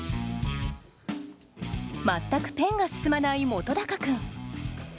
全くペンが進まない本君。